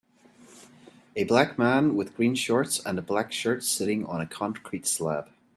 A black man with green shorts and a black shirt sitting on a concrete slab.